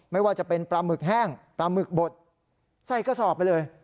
ไม่ว่าจะเป็นปลาหมึกแห้งปลาหมึกบดใส่กระสอบไปเลย